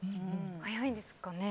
早いですかね？